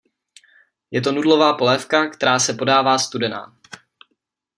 Je to nudlová polévka, která se podává studená.